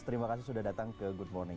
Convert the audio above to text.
terima kasih sudah datang ke good morning